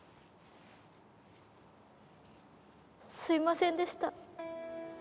すいませんでした。